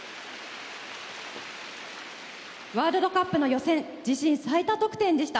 ワールドカップの予選自身最多得点でした。